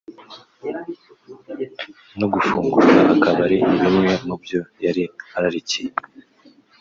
no gufungura akabari ni bimwe mu byo yari ararikiye